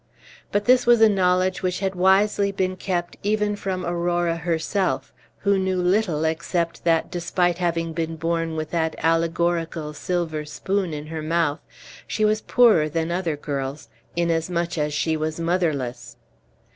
But this was a knowledge which had wisely been kept even from Aurora herself, who knew little, except that, despite of having been born with that allegorical silver spoon in her mouth, she was poorer than other girls, inasmuch as she was motherless.